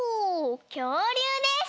きょうりゅうです！